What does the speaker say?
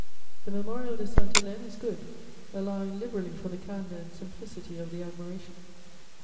The Mémorial de Sainte Hélène is good, allowing liberally for the candour and simplicity of the admiration.